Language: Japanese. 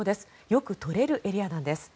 よく取れるエリアなんです。